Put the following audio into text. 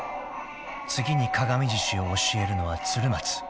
［「次に『鏡獅子』を教えるのは鶴松」］